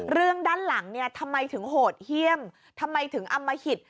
เรื่องด้านหลังเนี่ยทำไมถึงโหดเยี่ยมทำไมถึงอมหิต